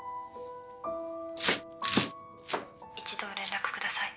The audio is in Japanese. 一度連絡下さい。